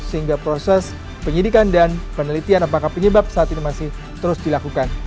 sehingga proses penyidikan dan penelitian apakah penyebab saat ini masih terus dilakukan